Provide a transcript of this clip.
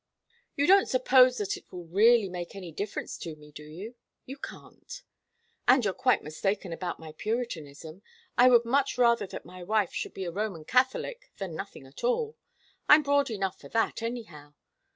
You don't suppose that it will really make any difference to me, do you? You can't. And you're quite mistaken about my Puritanism. I would much rather that my wife should be a Roman Catholic than nothing at all. I'm broad enough for that, anyhow.